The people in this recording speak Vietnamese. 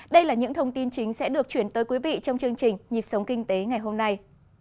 đây là những thông tin chính sẽ được chuyển tới quý vị trong chương trình nhịp sống kinh tế ngày hôm nay